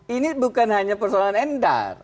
ini bukan hanya persoalan endar